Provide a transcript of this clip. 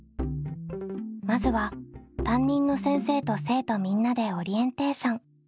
まずは担任の先生と生徒みんなでオリエンテーション。